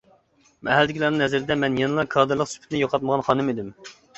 مەھەللىدىكىلەرنىڭ نەزىرىدە مەن يەنىلا كادىرلىق سۈپىتىنى يوقاتمىغان خانىم ئىدىم.